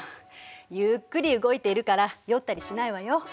ゆっくり動いているから酔ったりしないわよ。